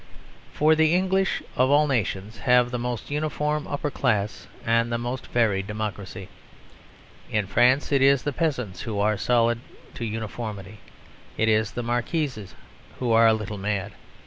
For the English, of all nations, have the most uniform upper class and the most varied democracy. In France it is the peasants who are solid to uniformity; it is the marquises who are a little mad.